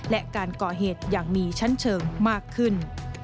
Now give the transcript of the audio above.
และการก่อเหตุอย่างมีชั้นเชิงมากขึ้น